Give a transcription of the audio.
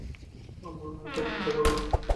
আমাদের চিন্তা করো না।